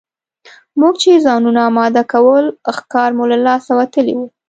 موږ چې ځانونه اماده کول ښکار مو له لاسه وتلی وو.